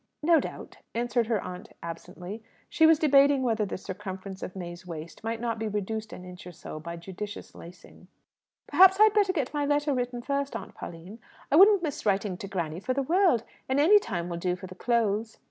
"No doubt," answered her aunt absently. She was debating whether the circumference of May's waist might not be reduced an inch or so by judicious lacing. "Perhaps I had better get my letter written first, Aunt Pauline. I wouldn't miss writing to granny for the world, and any time will do for the clothes."